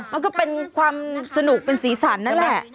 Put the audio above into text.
มันก็เป็นความสนุกเป็นสีสันนั่นแหละ